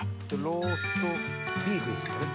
ローストビーフですかね。